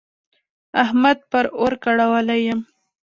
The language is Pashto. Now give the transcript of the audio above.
احمد پر اور کړولی يم.